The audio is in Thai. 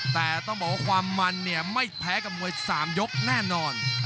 แต่ต้องบอกว่าความมันเนี่ยไม่แพ้กับมวย๓ยกแน่นอน